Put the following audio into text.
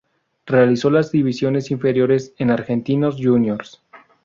Realizó las divisiones inferiores en Argentinos Juniors.